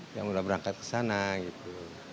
dia mau berangkat kesana gitu